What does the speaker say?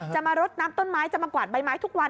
มารดน้ำต้นไม้จะมากวาดใบไม้ทุกวัน